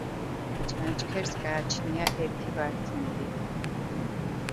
ჩანჩქერს გააჩნია ერთი ვარდნილი.